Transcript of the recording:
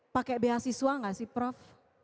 pakai beasiswa nggak sih prof